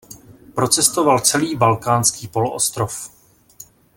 Procestoval celý Balkánský poloostrov.